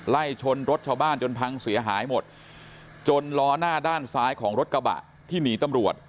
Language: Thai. ไล่ชนรถชาวบ้านจนพังเสียหายหมดจนล้อหน้าด้านซ้ายของรถกระบะที่หนีตำรวจ